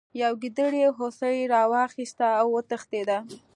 یوې ګیدړې هوسۍ راواخیسته او وتښتیده.